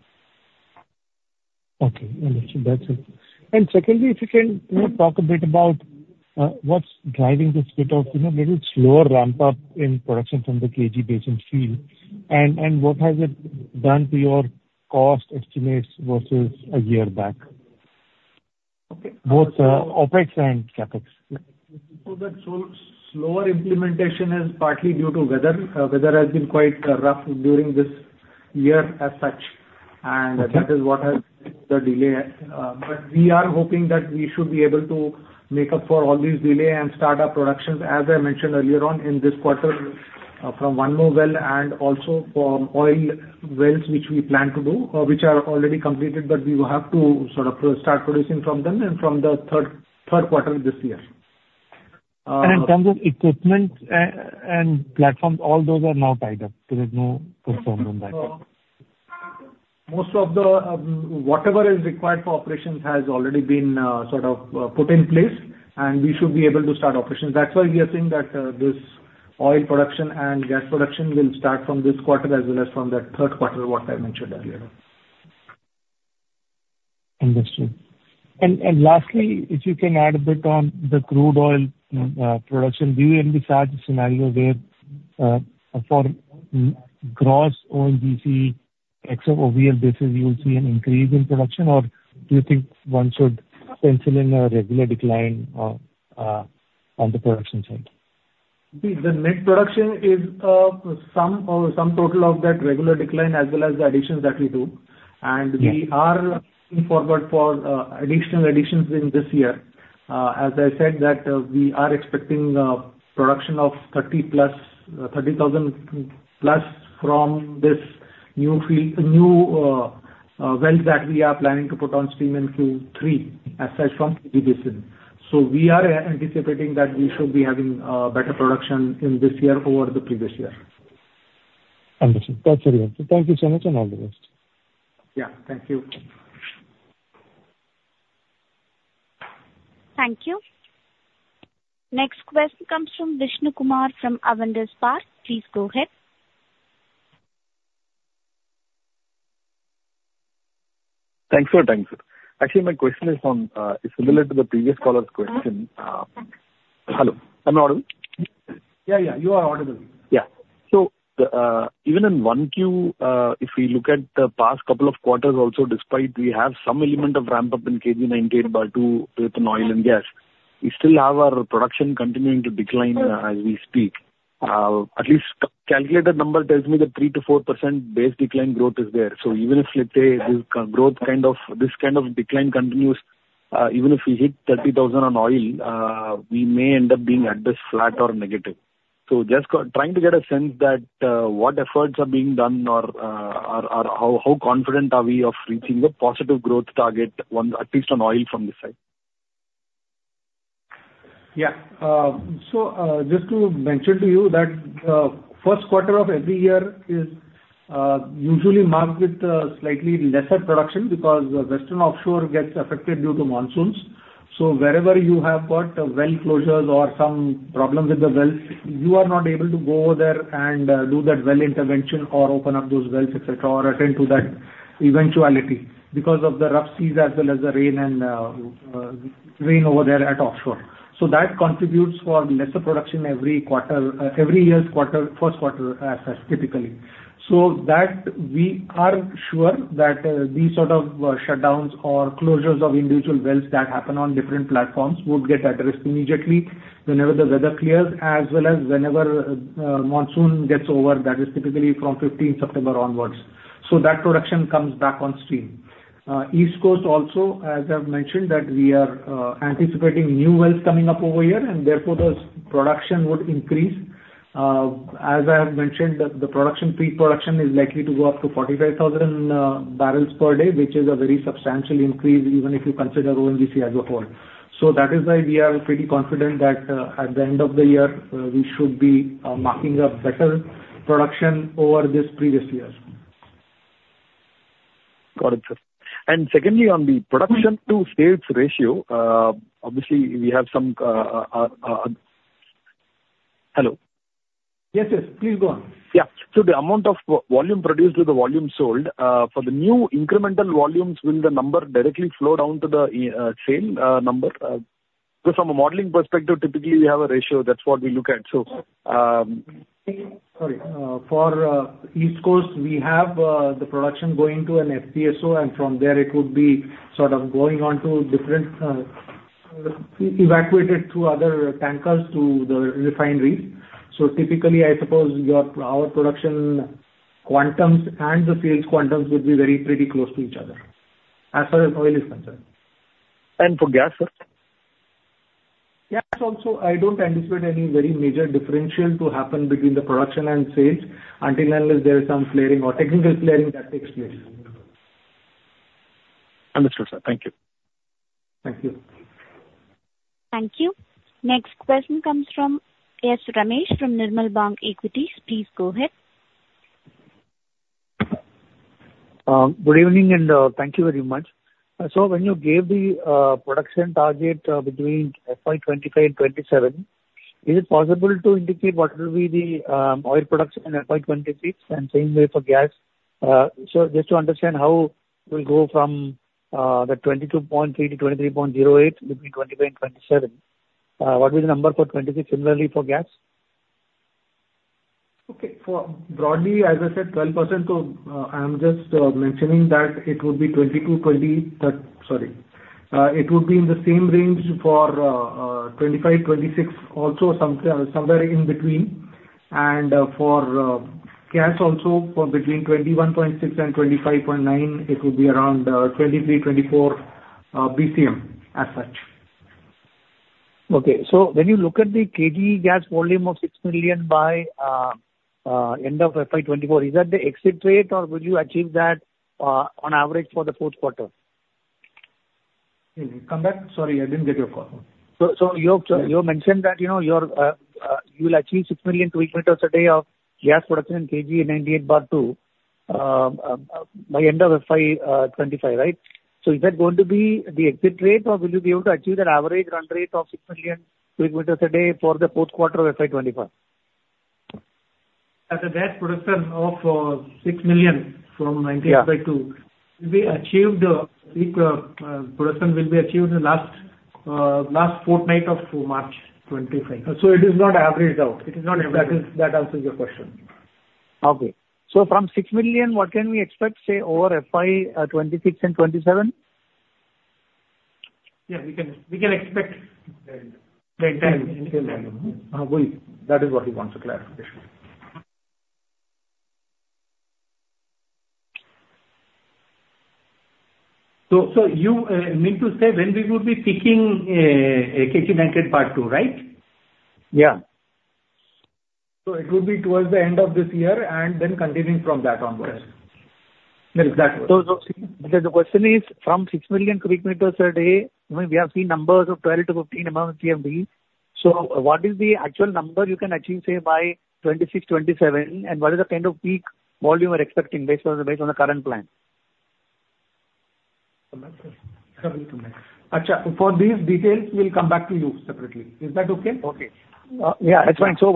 Okay. Understood. That's it. Secondly, if you can talk a bit about what's driving this bit of a little slower ramp-up in production from the KG Basin field, and what has it done to your cost estimates versus a year back, both OpEx and CapEx? So that slower implementation is partly due to weather. Weather has been quite rough during this year as such, and that is what has the delay. But we are hoping that we should be able to make up for all these delays and start our productions, as I mentioned earlier on, in this quarter from one more well and also from oil wells, which we plan to do, which are already completed, but we will have to sort of start producing from them and from the third quarter this year. In terms of equipment and platforms, all those are now tied up. There is no performance on that. Most of the whatever is required for operations has already been sort of put in place, and we should be able to start operations. That's why we are saying that this oil production and gas production will start from this quarter as well as from the third quarter, what I mentioned earlier. Understood. Lastly, if you can add a bit on the crude oil production, do you envisage a scenario where for gross ONGC except OVL basis, you will see an increase in production, or do you think one should pencil in a regular decline on the production side? The net production is some total of that regular decline as well as the additions that we do. We are looking forward for additional additions in this year. As I said, we are expecting production of 30,000+ from this new field, new wells that we are planning to put on stream in Q3 as such from KG Basin. We are anticipating that we should be having better production in this year over the previous year. Understood. That's very helpful. Thank you so much and all the best. Yeah. Thank you. Thank you. Next question comes from Vishnu Kumar from Avendus Spark. Please go ahead. Thanks for the time, sir. Actually, my question is similar to the previous caller's question. Thanks. Hello. Am I audible? Yeah. Yeah. You are audible. Yeah. So even in Q1, if we look at the past couple of quarters also, despite we have some element of ramp-up in KG 98/2 with an oil and gas, we still have our production continuing to decline as we speak. At least calculated number tells me that 3%-4% base decline growth is there. So even if, let's say, this growth kind of this kind of decline continues, even if we hit 30,000 on oil, we may end up being at this flat or negative. So just trying to get a sense that what efforts are being done or how confident are we of reaching a positive growth target, at least on oil from this side. Yeah. So just to mention to you that the first quarter of every year is usually marked with slightly lesser production because the Western Offshore gets affected due to monsoons. So wherever you have got well closures or some problem with the well, you are not able to go over there and do that well intervention or open up those wells, etc., or attend to that eventuality because of the rough seas as well as the rain and rain over there at offshore. So that contributes for lesser production every quarter, every year's quarter, first quarter as such, typically. So that we are sure that these sort of shutdowns or closures of individual wells that happen on different platforms would get addressed immediately whenever the weather clears, as well as whenever monsoon gets over, that is typically from 15th September onwards. So that production comes back on stream. East Coast also, as I've mentioned, that we are anticipating new wells coming up over here, and therefore those production would increase. As I have mentioned, the production pre-production is likely to go up to 45,000 barrels per day, which is a very substantial increase even if you consider ONGC as a whole. So that is why we are pretty confident that at the end of the year, we should be marking up better production over this previous year. Got it, sir. Secondly, on the production to sales ratio, obviously, we have some hello. Yes, yes. Please go on. Yeah. So the amount of volume produced to the volume sold, for the new incremental volumes, will the number directly flow down to the same number? Because from a modeling perspective, typically, we have a ratio. That's what we look at. So. Sorry. For East Coast, we have the production going to an FPSO, and from there, it would be sort of going on to different evacuated through other tankers to the refineries. So typically, I suppose our production quantums and the field quantums would be very pretty close to each other as far as oil is concerned. For gas, sir? Gas also, I don't anticipate any very major differential to happen between the production and sales until unless there is some flaring or technical flaring that takes place. Understood, sir. Thank you. Thank you. Thank you. Next question comes from S. Ramesh from Nirmal Bang Equities. Please go ahead. Good evening and thank you very much. So when you gave the production target between FY 25 and 27, is it possible to indicate what will be the oil production in FY 26 and same way for gas? So just to understand how it will go from the 22.3 to 23.08 between 25 and 27, what will be the number for 26, similarly for gas? Okay. Broadly, as I said, 12%. So I'm just mentioning that it would be 22, 23. Sorry. It would be in the same range for 25, 26, also somewhere in between. And for gas also, between 21.6 and 25.9, it would be around 23, 24 BCM as such. Okay. So when you look at the KG gas volume of 6 million by end of FY 2024, is that the exit rate, or will you achieve that on average for the fourth quarter? Come back. Sorry. I didn't get your call. So you mentioned that you will achieve 6 million cubic meters a day of gas production in 98/2 by end of FY 2025, right? So is that going to be the exit rate, or will you be able to achieve that average run rate of 6 million cubic meters a day for the fourth quarter of FY 2025? As gas production of 6 million from 19-22, production will be achieved in the last fortnight of March 2025. So it is not averaged out? It is not averaged. That answers your question. Okay. So from 6 million, what can we expect, say, over FY 2026 and 2027? Yeah. We can expect the entire. That is what he wants to clarify. So you mean to say when we would be picking 98/2, right? Yeah. It would be towards the end of this year and then continuing from that onwards. Yes. That's what. So the question is, from 6 million cubic meters a day, we have seen numbers of 12-15 MMCMD. So what is the actual number you can achieve, say, by 2026, 2027, and what is the kind of peak volume we're expecting based on the current plan? For these details, we'll come back to you separately. Is that okay? Okay. Yeah. That's fine. So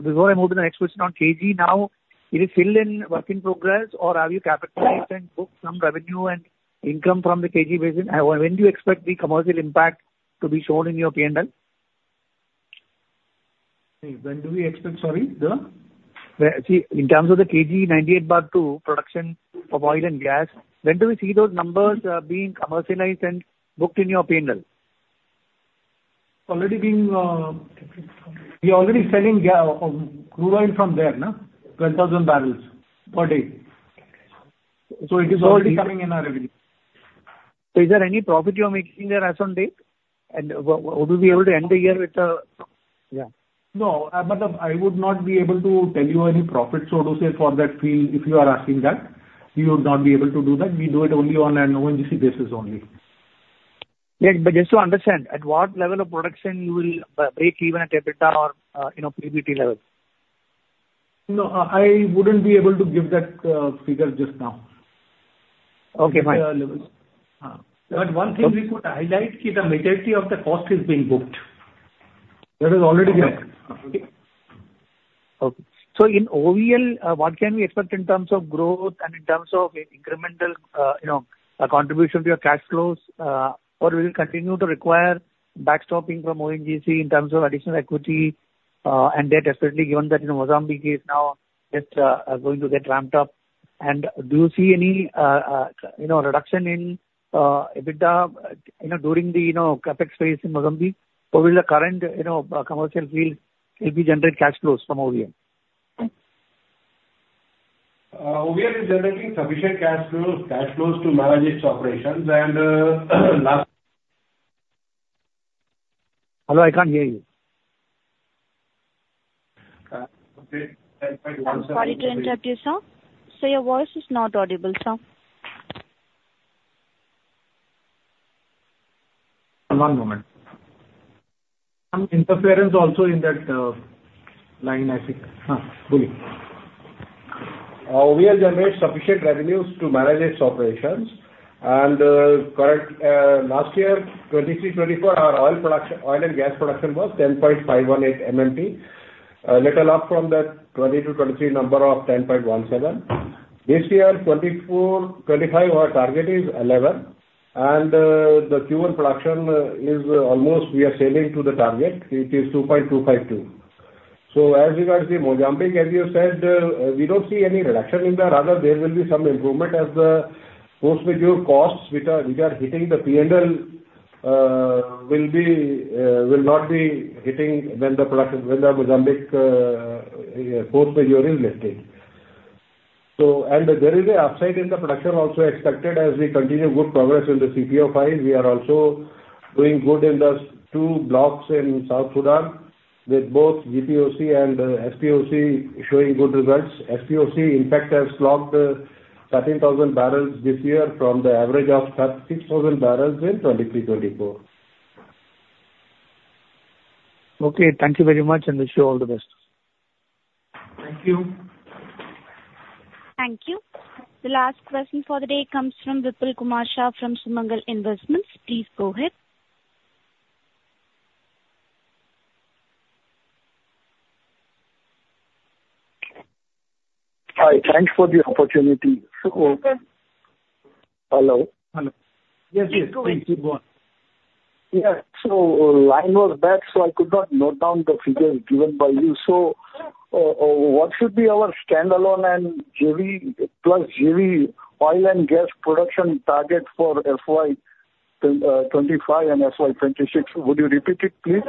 before I move to the next question on KG, now, is it still work in progress, or have you capitalized and booked some revenue and income from the KG Basin? When do you expect the commercial impact to be shown in your P&L? When do we expect, sorry? See, in terms of the 98/2 production of oil and gas, when do we see those numbers being commercialized and booked in your P&L? We are already selling crude oil from there, 12,000 barrels per day. So it is already coming in our revenue. So is there any profit you are making there as of date? And will we be able to end the year with a? No. I would not be able to tell you any profit, so to say, for that field if you are asking that. We would not be able to do that. We do it only on an ONGC basis only. Yeah. But just to understand, at what level of production you will break even at EBITDA or PBT level? No. I wouldn't be able to give that figure just now. Okay. Fine. One thing we could highlight is the majority of the cost is being booked. That is already there. Okay. In OVL, what can we expect in terms of growth and in terms of incremental contribution to your cash flows, or will you continue to require backstopping from ONGC in terms of additional equity and debt, especially given that Mozambique is now just going to get ramped up? Do you see any reduction in EBITDA during the CapEx phase in Mozambique, or will the current commercial fields still be generating cash flows from OVL? OVL is generating sufficient cash flows to manage its operations, and last. Hello. I can't hear you. Okay. Sorry to interrupt you, sir. So your voice is not audible, sir. One moment. Some interference also in that line, I think. OVL generates sufficient revenues to manage its operations. Last year, 2023-24, our oil and gas production was 10.518 MMT, let alone from the 2020-23 number of 10.17. This year, 2024-25, our target is 11. The Q1 production is almost we are sailing to the target. It is 2.252. So as regards to Mozambique, as you said, we don't see any reduction in that. Rather, there will be some improvement as the force majeure costs, which are hitting the P&L, will not be hitting when the Mozambique force majeure is lifted. And there is an upside in the production also expected as we continue good progress in the CPO-5. We are also doing good in the two blocks in South Sudan, with both GPOC and SPOC showing good results. SPOC, in fact, has clocked 13,000 barrels this year from the average of 6,000 barrels in 2023, 2024. Okay. Thank you very much, and wish you all the best. Thank you. Thank you. The last question for the day comes from Vipulkumar Shah from Sumangal Investments. Please go ahead. Hi. Thanks for the opportunity. Hello. Hello. Yes, yes. Thank you. Yeah. So line was back, so I could not note down the figures given by you. So what should be our standalone and plus OVL oil and gas production target for FY 2025 and FY 2026? Would you repeat it, please?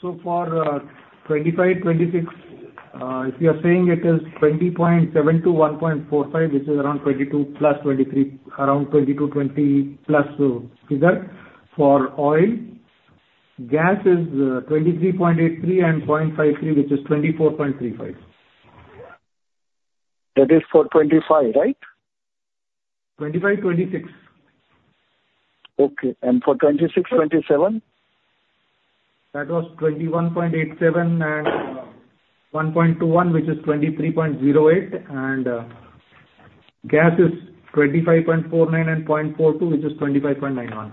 So for 2025, 2026, if you are saying it is 20.72, 1.45, which is around 22 + 23, around 22, 20+ figure for oil. Gas is 23.83 and 0.53, which is 24.35. That is for 25, right? 25, 26. Okay. For 2026, 2027? That was 21.87 and 1.21, which is 23.08. Gas is 25.49 and 0.42, which is 25.91.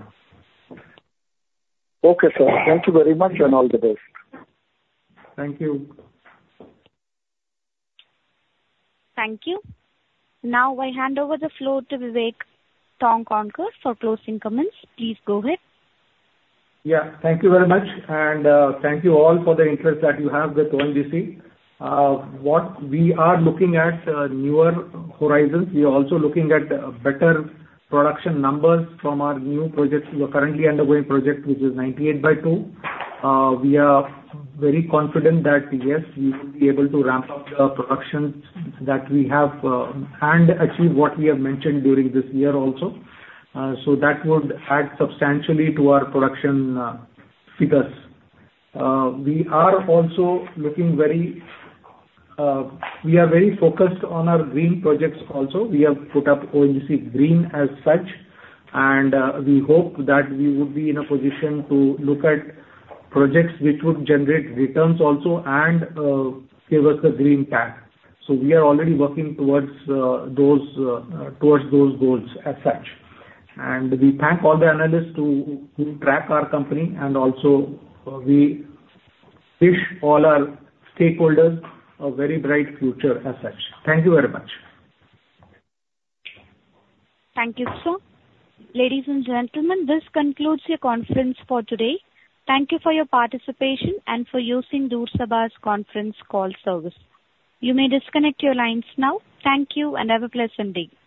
Okay, sir. Thank you very much, and all the best. Thank you. Thank you. Now, I hand over the floor to Vivek Tongaonkar for closing comments. Please go ahead. Yeah. Thank you very much. And thank you all for the interest that you have with ONGC. We are looking at newer horizons. We are also looking at better production numbers from our new project, the currently undergoing project, which 98/2. We are very confident that, yes, we will be able to ramp up the production that we have and achieve what we have mentioned during this year also. So that would add substantially to our production figures. We are also looking very. We are very focused on our green projects also. We have put up ONGC Green as such, and we hope that we would be in a position to look at projects which would generate returns also and give us the green tag. So we are already working towards those goals as such. And we thank all the analysts who track our company. Also, we wish all our stakeholders a very bright future as such. Thank you very much. Thank you, sir. Ladies and gentlemen, this concludes your conference for today. Thank you for your participation and for using Chorus Call's conference call service. You may disconnect your lines now. Thank you, and have a pleasant day.